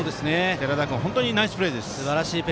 寺田君、本当にナイスプレーです。